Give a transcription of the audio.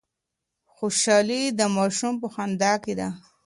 خوشحالي د ماشوم په خندا کي ده.